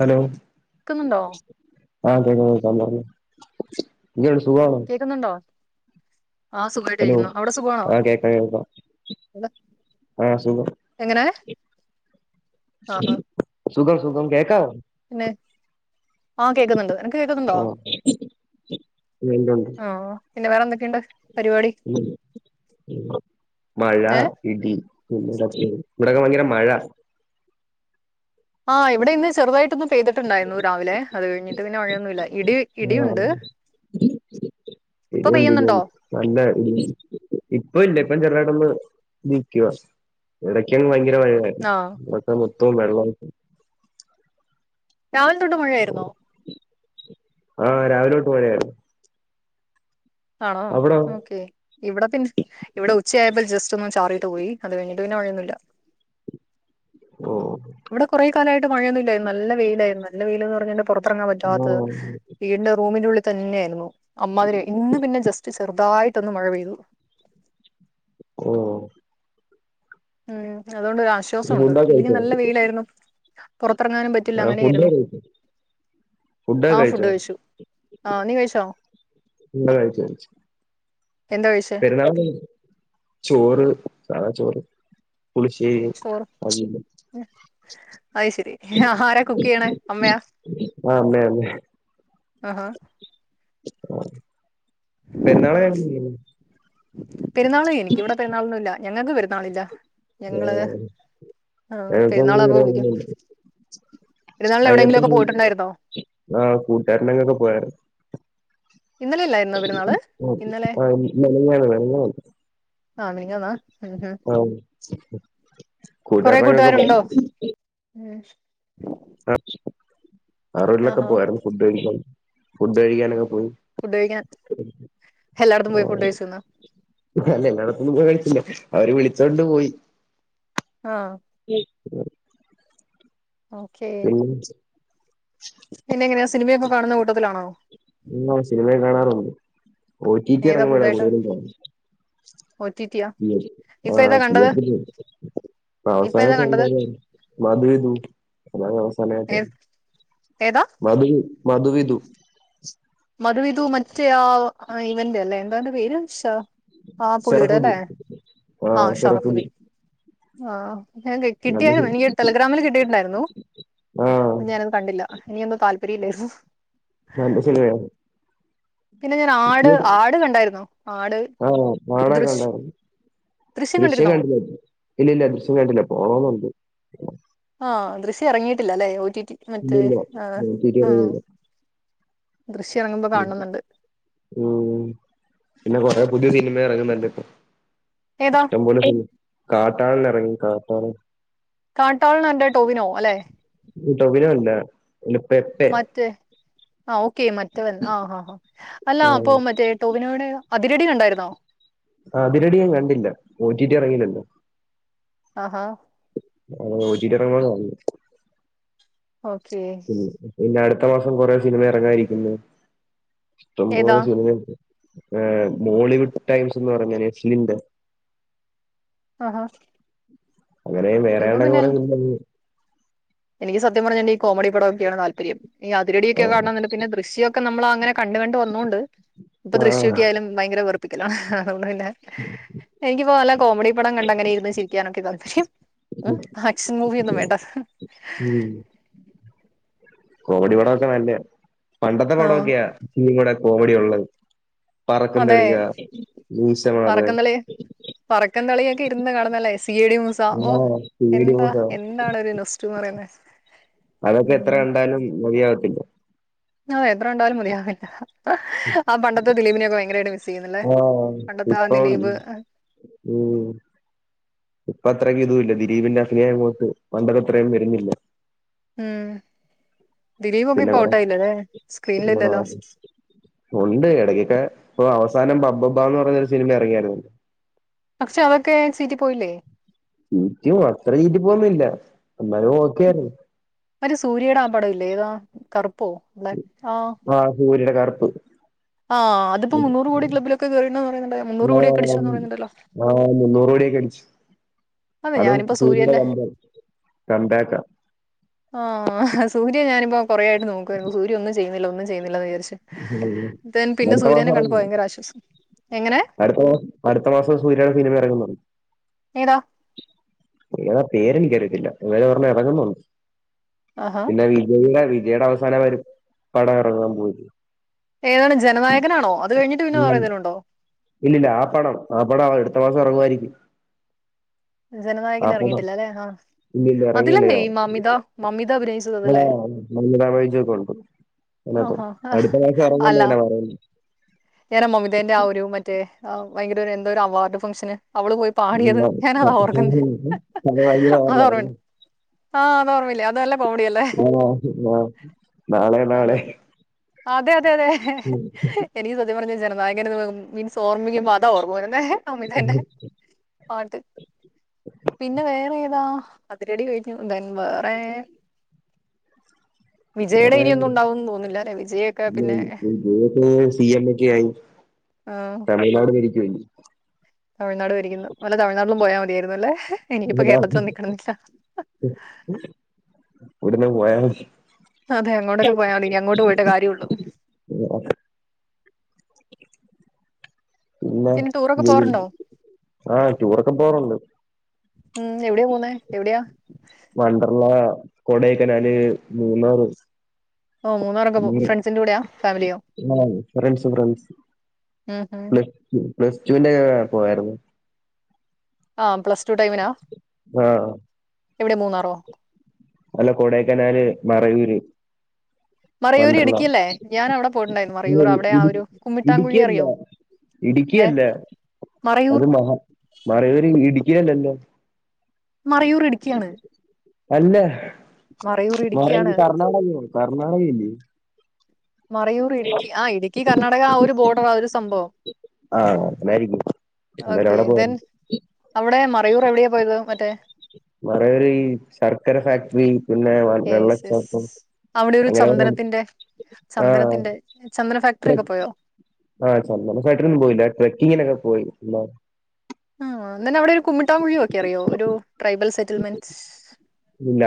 Hello കേൾക്കുന്നുണ്ടോ ആഹ് കേൾക്കാം കേൾക്കാം പറഞ്ഞോ എങ്ങനുണ്ട് സുഖാണോ കേൾക്കുന്നുണ്ടോ ആഹ് സുഖമായിട്ട് ഹലോ ഇരിക്കുന്നു അവിടെ സുഖമാണോ ആഹ് കേക്കാം കേക്കാം [unintelligible] ആഹ് സുഖം എങ്ങനെ ആഹ് ആഹ് സുഖം സുഖം കേൾക്കാവോ പിന്നെ ആഹ് കേൾക്കുന്നുണ്ട് നിനക്ക് കേക്കുന്നുണ്ടോ ന്റെയൊണ്ട് ആഹ് പിന്നെ വേറെന്തൊക്കെയുണ്ട് [inaudible] മഴ ഏഹ് ഇടി [inaudible] ഇവിടൊക്കെ ഭയങ്കര മഴ ആഹ് ഇവിടെ ഇന്ന് ചെറുതായിട്ടൊന്ന് പെയ്തിട്ടുണ്ടായിരുന്നു രാവിലെ അത് കഴിഞ്ഞിട്ട് പിന്നെ മഴയൊന്നുമില്ല ഇടി ആഹ് ഇടിയുണ്ട്. ഇപ്പൊ ഇടിയുണ്ട് പെയ്യുന്നുണ്ടോ ഇടിയുണ്ട് നല്ല ഇപ്പ ഇല്ല ഇപ്പം ചെറായിട്ടൊന്ന് [unintelligible] ഇടയ്ക്കും ഭയങ്കര മഴയുണ്ടായി ആഹ് [unintelligible] മൊത്തം ഉം വെള്ള ഉം രാവിലെ തൊട്ട് മഴയായിരുന്നോ ആഹ് രാവിലെ തൊട്ട് മഴയായിരുന്നു ആണോ അവിടോ ഓക്കേ ഇവിടെ പിന്നെ ഇവിടെ ഉച്ചയായപ്പോൾ ജസ്റ്റ് ഒന്നും ചാറിട്ട് പോയി അത് കഴിഞ്ഞി- [unintelligible] പിന്നെ മഴയൊന്നുമില്ല ഓഹ് ഇവിടെ കുറെ കാലമായിട്ട് മഴയൊന്നുമില്ലായിരുന്നു നല്ല വെയിലായിയിരുന്നു നല്ല വെയിലെന്ന് പറഞ്ഞ പുറത്തിറങ്ങാൻ പറ്റാത്തത് ആഹ് വീടിന്റെ റൂമിന്റെ ഉള്ളിൽ തന്നെയായിരുന്നു അമാതിരി ഇന്ന് പിന്നെ ജസ്റ്റ് ചെറുതായിട്ടൊന്നന്ന് മഴ പെയ്തു ഓഹ് [unintelligible] [unintelligible] ഫുഡൊക്കെ ഇല്ലെങ്കിൽ കഴിച്ചോ നല്ല വെയിലായിരുന്നു പുറത്തിറങ്ങാനും പറ്റില്ല ആഹ് ഫുഡൊക്കെ അങ്ങനെയായിയിരുന്നു. കഴിച്ചോ ഫുഡൊക്കെ ആഹ് ഫുഡ് കഴിച്ചോ കഴിച്ചു ആഹ് നീ കഴിച്ചോ ഫുഡ് കഴിച്ചു കഴിച്ചു എന്ത കഴിച്ചേ [unintelligible] ചോറ് സാദാ ചോറ് പുളിശ്ശേരി അവിയല് അയ് ശരി ആരാ കുക്ക് ചെയ്യണേ അമ്മയാ ആഹ് അമ്മേ അമ്മേ ആഹ് പെരുന്നാള [unintelligible] പെരുന്നാള് എനിക്കിവിടെ പെരുന്നാളൊന്നും ഇല്ല ഞങ്ങൾക്ക് പെരുന്നാളില്ല ഞങ്ങള് ആഹ് അഹ് പെരുന്നാള അപ്പ വിളിക്കും ഞങ്ങക്കും പെരുന്നാളിന് എവിടെയങ്കിലും ഒക്കെ അയലത്തൊരു പോയിട്ടുണ്ടായിരുന്നോ ആഹ് കൂട്ടുകാരനങ്ങൊക്കെ പോയരുന്നു ഇന്നലെ അല്ലായിരുന്നോ പിരുന്നാള് ഇന്നലെ ആഹ് മിനിഞ്ഞാന്ന് ആഹ് മിനിഞാന്നാ അഹ് കൊറേ കൂട്ടാരനങ്ങൊക്കെ പോ കൂട്ടുകാരുണ്ടോ ഉം ആഹ് അവരുടെ വീട്ടിലൊക്കെ ആഹാ പോയാരുന്നു ഫുഡ് കഴിക്കാൻ ഫുഡ് കഴിക്കാനൊക്കെ പോയി ഫുഡ് കഴിക്കാൻ എല്ലായിടത്തും ആ, പോയി ഫുഡ് കഴിച്ചന്നോ അല്ല എല്ലായിടത്തൊന്നും പോയി കഴിച്ചില്ല അവര് വിളിച്ചോണ്ട് പോയി ആഹ് ഓക്കേ [unintelligible] പിന്നെങ്ങനെയ സിനമയൊക്കെ കാണുന്ന കൂട്ടത്തിലാണോ ആഹ് സിനിമയും കാണാറുണ്ട് ഒ ടി പി [unintelligible] കൂടുതലും കാണല് ഓ ടി ടി ഓ ആഹ് [unintelligible] ഇപ്പൊ ഏതാ അവസാനൊക്കെ ഉണ്ട കണ്ടത് [unintelligible] അവസാനമായിട്ട് ഏ ഏതാ മധു മധുവിധു മധുവിതു മറ്റേ ആഹ് ഇവന്റ അല്ലേ എന്താ അവന്റെ പേര് ഷാ ആഹ് പുള്ളിയുടെല്ലേ സെറഫുദ്ദീൻ ആ ആഹ് സെറഫുദ്ദീൻ ഷറഫുദ്ദീൻ ആഹ് ഞാൻ [unintelligible] നല്ല കിട്ടിയായിർന്നു സിനിമ ഇനി ടെലഗ്രാമിൽ കിട്ടിയിട്ടുണ്ടായിരുന്നു ആ ഞാന കണ്ടില്ല ഇനിയൊന്നും താല്പര്യയില്ലായിരുന്നു നല്ല സിനിമയാണ് പിന്നെ ഞാൻ ആട് [unintelligible] ആട് കണ്ടായിരുന്നോ ആട് ആണോ [unintelligible] ദൃശ് ദൃശ്യം കണ്ടില്ല ഇല്ല ഇല്ല ദൃശ്യം കണ്ടില്ല പോണോന്നുണ്ട് ആഹ് ദൃശ്യം ഇറങ്ങിയിട്ടില്ല അല്ലേ ഒ റ്റി റ്റി ഇല്ലയില്ല [unintelligible] ദൃശ്യം ഇറങ്ങുമ്പോ കാണണന്നുണ്ട് ഉം പിന്നെ കൊറേ പുതിയ സിനിമ എറങ്ങുന്നുണ്ട് ഏതാ ഇഷ്ടംപോലെ സിനി കാട്ടാളെൻ എറങ്ങി കാട്ടാളെൻ കാട്ടാളനന്റെ ടൊവിനോ അല്ലെ ടൊവിനോ അല്ല ഇല്ലേ പെപ്പേ മറ്റേ ആഹ് ഓക്കെ മറ്റവൻ ആഹ് ആഹ് ആഹ് അല്ലാ ആ, അപ്പൊ മറ്റേ ടൊവിനോയുടെ അതിര് അടി കണ്ടായിരുന്നോ? ആഹ് അതിര് അടി ഞാൻ കണ്ടില്ല ഒ ടി ടി അറങ്ങിയിട്ട് ഇണ്ട്. ആഹാ അതെ ഒ ടി ടി എറങ്ങ്ണ [unintelligible] ഓക്കേ ഉം പിന്നെ അടുത്ത മാസം കുറേ സിനിമ എറങ്ങാൻ ഇരിക്കുന്നു ഏതാ ഇഷ്ടംപോലെ സിനിമ ഉണ്ട്. ഏഹ് മോളിവുഡ് ടൈംസ് എന്ന് പറഞ്ഞ നസ്ലിമിന്റെ അ ഹാ അങ്ങനേം വേറെയൊണ്ടെന്ന് [unintelligible] എനിക്ക് സത്യം പറഞ്ഞാൽ ഈ കോമഡി പടോക്കെയാണ് താല്പര്യം ഈ അതിര് അടിയൊക്കെ കാണണം എന്നുണ്ട് പിന്നെ ദൃശ്യം നമ്മള് അങ്ങനെ കണ്ട് കണ്ട് വന്നോണ്ട് ഇപ്പൊ ആ ദൃശ്യോക്കെ ആയാലും ഭയങ്കര വെറുപ്പിക്കലാണ് അതുകൊണ്ട് പിന്നെ എനിക്ക്പ്പോ നല്ല കോമഡി പടം കണ്ട അങ്ങനെ ഇരുന്ന് ചിരിക്കാനൊക്ക തല്പര്യം ഉം ആക്ഷൻ മൂവിയൊന്നും വേണ്ട ഉം കോമഡി പടൊക്കെ നല്ല പണ്ടത്തെ ആഹ് പടൊക്കെയാ ഇവിടെ കോമഡി ഉള്ളത് പറക്കും അതെ തളിക മീശമാധവൻ പറക്കൻ തളികയൊക്കെ ഇരുന്ന് കാണുന്നല്ലേ സിയടി മൂസ ഓ ആ പേടി എന്താ മോഹം എന്താണ് ഒരു നുസ് [unintelligible] പറയുന്നേ അതൊക്കെ എത്ര കണ്ടാലും മതിയാകത്തില്ല ആഹ് എത്ര കണ്ടാലും മതിയാവില്ല ആ പണ്ടത്തെ ദിലീപിനെയൊക്കെ ഭയങ്കരായിട്ട് മിസ് ചെയ്യുന്നല്ലേ ആ പണ്ടത്താ ഇപ്പം ദിലീപ് ഉം ഇപ്പ അത്രയ്ക്ക് ഇതു ഇല്ല ദിലീപിന്റെ അഭിനയങ്ങോട്ട് പണ്ടതത്രയും വരുന്നി. ല്ല ഉം ദിലീപ് ഒക്കെ പിന്നെ ഇപ്പ കൊറേ ഔട്ടായില്ലെല്ലേ സ്ക്രീനിലില്ലല്ലോ ഒണ്ട് ഇടയ്ക്കൊക്കെ ഇപ്പൊ അവസാനം ബബബ്ബാ എന്ന് പറഞ്ഞൊരു സിനിമ ഇറങ്ങിയായിരുന്നു പക്ഷെ അതൊക്കെ സീറ്റി പോയില്ലേ ഉം ചീറ്റ അത്ര ചീറ്റി പോയില്ല ഇന്നാലും ഓക്കെയാണ് മറ്റെ സൂര്യയുടെ ആ പടം ഇല്ലേ ഏതാ കറുപ്പോ [unintelligible] ആഹ് ആഹ് സൂര്യയുടെ കറുപ്പ് ആഹ് അതിപ്പം മുന്നൂറു കോടി ക്ലബിലൊക്കെ കേയറണ്ട്ന്ന് പറയ്യ്ണ്ടേല്ലോ മുന്നൂറ് കോടി ഒക്കെ അടിച്ചു എന്ന് പറയ്ണ്ടല്ലോ ആഹ് മുന്നൂറ് കോടിയൊക്കെ അടിച്ച് അതെ അതും ഞാനിപ്പോ സൂര്യന്റെ [unintelligible] കണ്ടേക്ക ആഹ് സൂര്യ ഞാനിപ്പോ കൊറെ ആയിട്ട് നോക്കായിരുന്നു സൂര്യ ഒന്നും ചെയ്യുന്നില്ല ഒന്നും ചെയ്യുന്നില്ലന്ന് വിചാരിച്ചു. ദൻ പിന്നെ അടുത്ത സൂര്യനെ കണ്ടപ്പോ ഭയങ്കര ആശ്വാസം എങ്ങനെ അടുത്തോ അടുത്ത മാസം സൂര്യാടെ സിനിമ ഇറങ്ങുന്നത് ഏതാ പേര പേരെനിക്കറിയത്തില്ല ഇങ്ങര് [unintelligible] ഇറങ്ങുന്നുണ്ട് ആഹാ പിന്നെ വിജയുടെ വിജയുടെ അവസാനം ഒരു പടം ഇറങ്ങാൻ പോയി [unintelligible] ഏതാണ് ജനായകനാണോ അത് കഴിഞ്ഞിട്ട് പിന്നെ വേറേതേലുണ്ടോ? ഇല്ല ഇല്ല ആ പടം ആ പടംഅടുത്ത മാസം ഇറങ്ങുമായിയിരിക്കും ജനനായകൻ പടം ഇറങ്ങിയിട്ടില്ലല്ലെ ആഹ് ഇല്ലില്ല ഇറങ്ങിയില്ല അതിലല്ലേ ഈ മമിത മമിതഭിനയി ആഹ് ആഹാ [unintelligible] അടുത്ത മാസം ഇറഞ്ഞണ്ട് ഇങ്ങനെ പറയുന്നെ നേറെ മമിതേന്റെ ആ ഒരു മറ്റേ ഭയങ്കര ഒരു എന്തോ ഒരു അവാർഡ് ഫംഗ്ഷന് അവള് പോയി പാടിയത് ഞാന് അത് ഓർക്കുന്ന ഭയങ്കര വൈറലായിരുന്നു അതോർമ്മട്. ആഹ്ത് ഓമ്മമല്ല അതെല്ലം. ആ ആഹ നാളെ നാളെ അതെ അതെ അതെ അതെ എനിക്ക് ചദ്യം പറഞ്ഞ ജനനായകൻ മീൻസ് ഓർമ്മിക്കുമ്പോ അതാ ഓർമ്മുന്നെ അമിതന്റെ അത് പിന്നെ വേറെ ഏതാ അതിരടി കഴിഞ്ഞു ദെൻ വേറെ [inaudible] വിജയുടെ ഇനിയൊന്നും ഉണ്ടാവും തോന്നുന്നില്ല അല്ലെ വിജയൊക്കെ പിന്നെ വറെ സി എം എക്കെ ആയി. ആഹ് തമിഴ്നാട് ഭരിച്ചുകഴിഞ്ഞു തമിഴ്നാട് വരിക്കുന്നു വലതമിഴ്നാടിലോം പോയാൽ മതിയിരുന്നു. അല്ലെ ഇല്ല ട ഉടനെ പോയ അതെ അങ്ങോട്ടൊക്കെ പോയാമതി ഇനി അങ്ങോട്ട് പോയിട്ട് കാര്യള്ളു. [inaudible] ഇല്ല പിന്നെ ടൂറൊക്കെ പോകാറുണ്ടോ ആ ടൂർ ഒക്കൊ പോറുണ്ട്. ഉം എവിടെ പോകുന്ന എവിടെയാ വണ്ടർള, കൊടയൊക്കെനല്, മീന്നറ്. ഓ മൂന്നാർ ഫ്രിണ്ട്സിന്റെ കൂടെയാ ഫാമിലിയോ? ആഹ് ഫ്രണ്ട്സ് ഫ്രണ്ട്സ് ഉം ഉം പ്ലസ് പ്ലസ്ടുവിന്റെ പോയായിരുന്നു. ആ പ്ലസ് ടു ടൈമിനാ ആഹ് എവിടെ മൂന്നാറോ അല്ല കൊടേക്കേനാല് മറയൂര്. മറയൂർ വണ്ടർലാ ഇടുക്കിയല്ലേ ഞാൻ അവിടെ പോയിട്ടുണ്ടായിരുന്നു ഇല്ല മറയൂർ ഇ അവിടെ ആ ഇടി ഒരു ഇടുക്കി കുമ്മിട്ടാങ്കുഴി അല്ല. അറിയോ ഇടുക്കി ഏ അല്ല മറയൂർ അത് മറ മറയൂര് ഇടുക്കി അല്ലല്ലോ മറയൂർ ഇടുക്കിയാണ്. അല്ല മറയൂർ കർണാടകയാണ് കർണാടക അല്ലയോ മറയൂർ ഇടുക്കി ആ ഇടുക്കി കർണാടക ആ ഒരു ബോർഡർ ആ ഒരു സംഭവം. ആഹ അങ്ങനായിരിക്കും എന്താലും ഓക്കെ അവിടെ പോ ദെൻ അവിടെ മറയൂർ എവിടെയാ പോയത് മറ്റേ മറയൂര് ഈ ശർക്കര ഫാക്ടറി പിന്നെ യെസ് യെസ് വെള്ളച്ചാട്ടം. അവിടെ ഒരു അങ്ങനെ ചന്ദനത്തിന്റെ ആഹ് ചന്ദനത്തിന്റെ ചന്ദന ഫാക്ടറി ഒക്കെ പോയോ? ആഹ് ചന്ദന ഫാക്ടറി പോയില്ല. ട്രക്കിങ്ങിന് ഒക്കെ പോയി. ആ എന്നന്നെ അവിടെ ഒരു കുമ്മിട്ടാം കുഴിയ ഒക്കെ അറിയോ ഒരു ട്രൈബൽ സെറ്റിൽമെന്റ്സ്.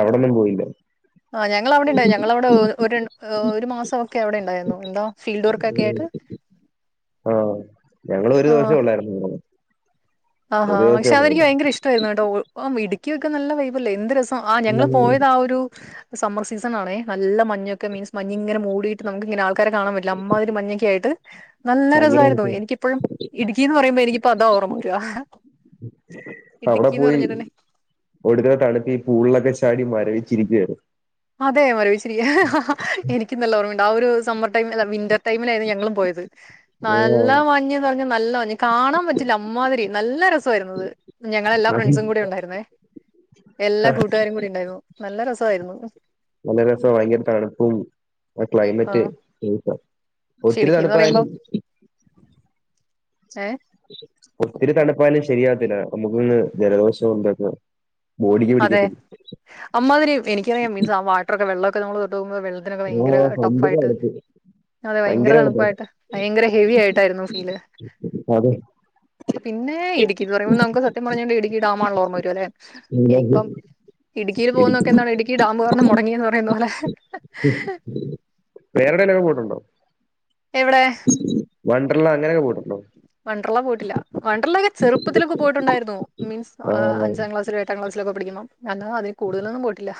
അവിടെ ഒന്നും പോയില്ല. ആ ഞങ്ങള് അവിടെ ഇണ്ടായി ഞങ്ങളവിടെ ഒര് ണ്ണ ഒരു മാസം ഒക്കെ അവിടെ ഇണ്ടായിരുന്നു എന്താ ഫീൽഡ് വർക്ക് ഒക്കെ ആയിട്ട് ആഹ ഞങ്ങളും ഒരു ആ ദിവസേ ഒള്ളായിരുന്നു. ആഹാ ഒരു ദിവസേ പക്ഷെ അത് എനിക്ക് ഭയങ്കര ഇഷ്ടായിരുന്നു കേട്ടോ ഒ ഇടുക്കി ഒക്കെ നല്ല വൈബ് അല്ലേ എന്ത് രസം. ആ ഞങ്ങള് ഒള്ളായിരുന്നു പോയത് ആ ഒരു സമ്മർ സീസൺ ആണെ നല്ല മഞ്ഞ് ഒക്കെ മീൻസ് മഞ്ഞ ഇങ്ങനെ മൂടി നമുക്ക് ഇങ്ങനെ ആൾക്കാരെ കാണാൻ പറ്റില്ല അമ്മാതിരി മഞ്ഞക്കെ ആയിട്ട്. നല്ല ഭയങ്കര രസായിരുന്നു. എനിക്ക് ഇപ്പോഴും ഇടുക്കി എന്ന് പറയുമ്പോ എനിക്ക് ഇപ്പോ അതാ ഓർമ്മ വരുന്. അവിടെ എന്ന് പോയി. പറഞ്ഞിട്ടുണ്ടെങ്കിൽ ഒടുക്കത്തെ തണുപ്പ് ഈ പൂളില് ഒക്കെ ചാടി മരവിച്ച് ഇരിക്കുക ആണ്. അതെ മരവിച്ചിരിക്ക എനിക്കും നല്ല ഓർമ്മയുണ്ട് ആ ഒരു സമ്മർ ഈ ടൈമ് അല്ല വിന്റർ ടൈമില ഞങ്ങള് പോയത് നല്ല മഞ്ഞും നല്ല മഞ്ഞ് നല്ല മഞ്ഞ് കാണാൻ പറ്റില്ല അമാതിരി നല്ല രസ സോയിരിന്നു ഞങ്ങള എല്ലാ ആഹ് ഫ്രണ്ട്സും കൂടി ഉണ്ടായിരുന്നേ എല്ലാ കൂട്ടുകാരും കൂടി ഇണ്ടായിരുന്നു നല്ല രസായിരുന്നു നല്ല രസ ഭയങ്കര തണുപ്പും ആ ക്ലൈമറ്റ് ആഹ് സൂപ്പർ പക്ഷെ ഒത്തിരി ഇടുക്കീന്ന് തണുപ്പായാലും പറയുമ്പം ഏ ഒത്തിരി തണുപ്പ് ആയാലും ശരിയാവത്തില്ല നമ്മുക്ക്ഒന്ന് ജലദോഷം ഇത് ഒക്കെ അതെ അമ്മാതിരി എനിക്കറിയാം മീൻസ് ആ വാട്ടർ ഒക്കെ വെള്ളം ഒക്കെ നമ്മള് തൊട്ട് നോക്കുമ്പ വെള്ളക്കെ ഓ ഭയങ്കര ടഫ് ഭയങ്കര ആയിട്ട് തണുപ്പ് അതെ ഭയങ്കര തണുപ്പായിട്ട് ഭയങ്കര ഹെവി ആയിട്ടായിരുന്നു ഫീല് അതെ പിന്നെ ഇടുക്കിന്ന് പറയുമ്പോ നമുക്ക് സത്യം പറഞ്ഞിട്ട് ഇടുക്കി ഡാമം ആണ് അല്ലോ ഓർമ്മ വെരും അല്ലെ എനിക്കിപ്പം ഇടുക്കിയില് പോകുന്നത് ഇടുക്കി ഒക്കെ എന്താണ് ഇടുക്കി ഡാമ് കാരണം മുടങ്ങിയന്ന് പറയുന്നത് പോലെ വേറെടെല് ഒക്കെ പോയിട്ട് ഒണ്ടാ എവിടെ വണ്ടർല അങ്ങനെ ഒക്കെ പോയിട്ട് ഒണ്ടോ വണ്ടർല പോയിട്ടില്ല വണ്ടർല ഒക്കെ ചെറുപ്പത്തില് ഒക്കെ പോയിട്ട് ഒണ്ടായിരുന്നു മീൻസ് ആ അഞ്ചാം ക്ലാസ്സില് എട്ടാം ക്ലാസില് ഒക്കെ പഠിക്കുമ്പോ അന്ന് അതിൽ കൂടുതൽ ഒന്നും പോയിട്ടില്ല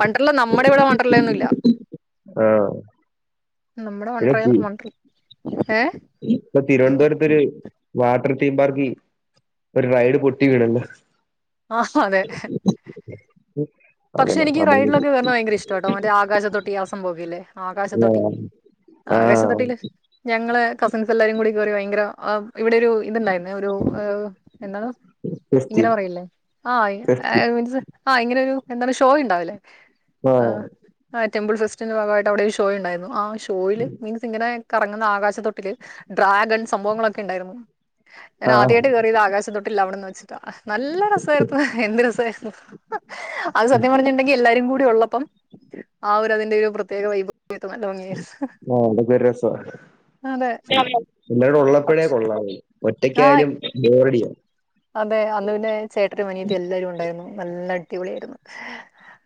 വണ്ടർല നമ്മുടെ ഇവിടെ വണ്ടർല ഒന്നും ഇല്ല ആഹ് നമ്മുടെ വണ്ടറെ വൻഡ്രി ഏ ഇപ്പൊ തിരുവനന്തപുരത്ത് ഒര് വാട്ടർ തീം പാർക്ക് ഒരു റൈഡ് പൊട്ടി വീണല്ലോ ആഹ് അതെ ഉം പക്ഷെ എനിക്ക്റൈഡിലൊക്കെ കെ റുന്നത് ഭയങ്കര ഇഷ്ടട്ടോ മറ്റേ ആകശത്തൊട്ട് ആഹ് സംഭവ ഒക്കെ യില്ലേ ആ ആകാശത്തൊട്ടി ആ ആകാശത്തൊട്ടിയില് ഞങ്ങള് കസിൻസ് എല്ലാരും കൂടി കേറി ഭയങ്കര ഇവിടെ ഒരു ഇതുണ്ടായിരുന്നേ ഒരു എന്നത് ഫെസ്റ്റ് ഇങ്ങനെ പറയില്ലേ ഫെസ്റ്റ് ആഹ് മീൻസ് ആഹ് ഇങ്ങനെ ഒരു എന്താണ് ഷോ ഉണ്ടാവില്ലേ ആ ആഹ് ആഹ് ടെമ്പിൾ ഫെസ്റ്റിന്റെ ഭാഗമായിട്ട് അവിടെ ഒരു ഷോയ ഉണ്ടായിരുന്നു ആഹ് ഷോയില് മീൻസ് ഇങ്ങനെ കറങ്ങുന്ന ആകാശത്തൊട്ടിലിൽ ഡ്രാഗൺ സംഭവങ്ങളൊക്കെ ഉണ്ടായിരുന്നു ഞാൻ ആ ആദ്യയിട്ട് കയറിയത് ആകാശത്തൊട്ട് ൽ വിടന്ന് വെച്ചിട്ടാ നല്ല രസമായിരുന്നു എന്ത് രസായിരുന്നു അത് സത്യം പറഞ്ഞ്ട്ടെങ്കിൽ എല്ലാരും കൂടെ ഉള്ളപ്പോ ആഹ് ഒര് ഇത് അതിന്നെ പ്രേത്യേക വയ്‌പ് [unintelligible] തൂങ്ങി ആ അതൊക്കെ അതെ എല്ലാരും ഉള്ളപ്പോഴേ പക്ഷെ കൊള്ളാവൂ ആ ഒറ്റയ്ക്കായാലും ബോറാഡിയാ അതെ അന്ന് പിന്നെ ചേട്ടനും അനീയത്തി എല്ലാരും ഉണ്ടായിരുന്നു നല്ല അടിപൊളിയായിരുന്നു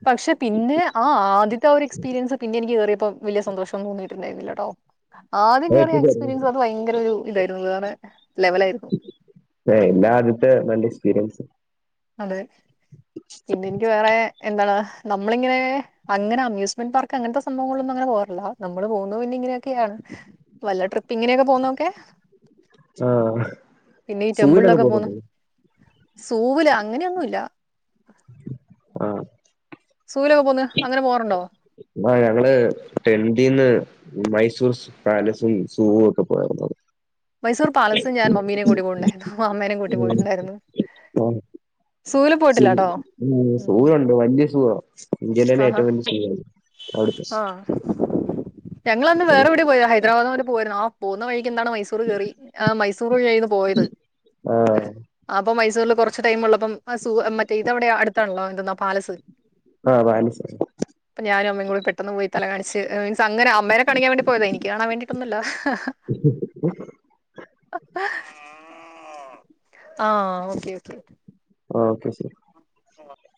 പക്ഷെ പിന്നെ ആഹ് ആദ്യത്തെ ആഹ് ഒരു എക്സ്പീരിയൻസ് പിന്നെ എനിക്ക് കയറിയപ്പോ വലിയ സന്തോഷംന്നും തോന്നിയിട്ടുണ്ടായിരുന്നില്ല കേട്ടോ ആദ്യം ഞാൻ കേറിയ ഒറ്റയ്ക്കായിരുന്നു. എക്സ്പീരിയൻസ് അത് ഭയങ്കര ഒരു ഇതായിരുന്നു അത് വേറെ ലവൽ ആയിരുന്നു എല്ലാആദ്യത്തെ നല്ല എക്സ്പീരിയൻസ് അതെ പിന്നെ എനിക്ക് വേറെ എന്താണ് നമ്മളിങ്ങനെ അങ്ങനെ അമ്യൂസ്മെന്റ് പാർക്ക് അങ്ങൻ തെ സംഭവങ്ങളൊന്നും അങ്ങനെ പോവാറില്ല നമ്മള് പോകുന്നത് പിന്നെ ഇങ്ങനെയൊക്കെയാണ് വല്ല ട്രിപ്പിംഗിന് ഇങ്ങനെയൊക്കെ പോവുന്നതോക്കെ ആ പിന്നെ ഈ സൂവിലൊക്കെ ടെമ്പിളിലൊക്കെ പോകുന്നു പോകുന്നുണ്ടോ സൂവില് അങ്ങനെയൊന്നും ഇല്ലാ ആഹ് സൂലൊക്കെ പോന്ന് അങ്ങനെ പോവാറുണ്ടോ? ആഹ് ഞങ്ങള് ടെൻഡീന്ന് മൈസൂർസ് പാലസും സൂവും ഒക്കെ പോയാരുന്നു മൈസൂർ പാലസ് ഞാൻ മമ്മീനേം കൂട്ടി പോയിണ്ടാരുന്നു മമ്മേനേം കൂട്ടി ഉം. പോയിട്ട്ണ്ടായിരുന്നു ആ, സൂല് സൂ പോയിട്ടില്ലാട്ടോ സൂ ഉം ഉണ്ട് വലിയ സൂവാ ഇന്ത്യയിലെ തന്നെ ഏറ്റവും വലിയ സൂവാത് ആഹ് ഞങ്ങൾ അന്ന് വേറെ എവിടെയോ പോയതാ ഹൈദരാബാദ് പോയിരുന്നു ആഹ് പോവുന്ന വഴിക്ക് എന്താണ് മൈസ് സൂറ് കേറി ആഹ് മൈസൂറ് വഴി ആയിരുന്നു പോയത് ആ ആഹ് അപ്പം മൈസൂരില് കൊറച്ച് ടൈമ്ള്ളപ്പം ആഹ് സൂ മറ്റേ ഇത് അവിടെ അടുത്താണല്ലോ എന്താ പാലസ് ആഹ് പാലസ് അപ്പൊ ഞാനുംഅമ്മയും കൂടി പെട്ടെന്ന് പോയി തല കാണിച്ച് അങ്ങനെ അമ്മേനെ കാണിക്കാൻ വേണ്ടി പോയതാ എനിക്ക് കാണാൻ വേണ്ടിട്ടൊന്നും അല്ല ആഹ് ഓക്കെ ഓക്കെ ഓക്കെ ശരി ആഹ്